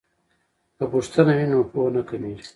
که پوښتنه وي نو پوهه نه کمیږي.